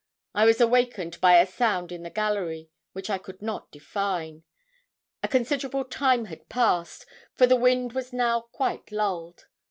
I was awakened by a sound in the gallery which I could not define. A considerable time had passed, for the wind was now quite lulled.